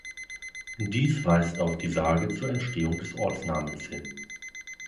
Dies weist auf die Sage zur Entstehung des Ortsnamens hin.